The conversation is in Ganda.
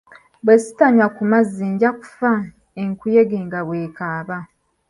Bwe ssitanywa ku mazzi nja kuffa, enkuyege nga bw'ekaaba.